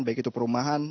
baik itu perumahan